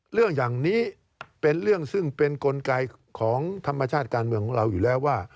เรื่องอย่างนี้เป็นเรื่องซึ่งเป็นกลไกของธรรมชาติการเมืองของเราอยู่แล้วว่า